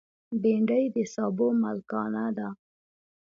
بېنډۍ د سابو ملکانه ده